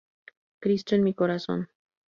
Cristo en mi corazón.